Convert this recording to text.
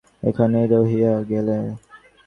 ক্ষেমংকরীর স্নেহ লাভ করিয়া উমেশ এইখানেই রহিয়া গেল।